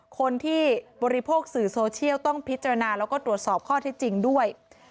คนที่บริโภคสื่อโซเชียลต้องพิจารณาแล้วก็ตรวจสอบข้อที่จริงด้วย